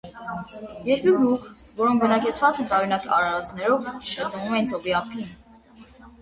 Երկու գյուղ, որոնք բնակեցված են տարօրինակ արարածներով, գտնվում էին ծովի ափին։